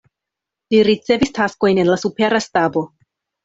Li ricevis taskojn en la supera stabo.